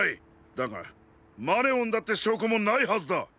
だがマネオンだってしょうこもないはずだ！